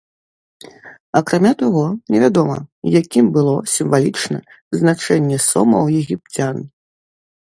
Акрамя таго, невядома, якім было сімвалічна значэнне сома ў егіпцян.